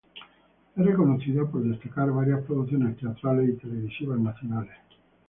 Es reconocida por destacar varias producciones teatrales y televisivas nacionales.